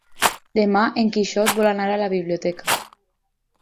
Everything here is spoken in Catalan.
Demà en Quixot vol anar a la biblioteca.